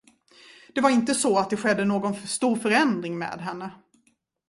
Det var inte så att det skedde någon stor förändring med henne.